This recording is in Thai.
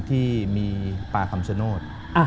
ที่มีป่าคำชโนธ